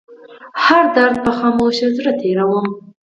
هر درد په خاموشه زړه تيروم